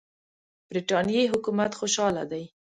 برټانیې حکومت خوشاله دی.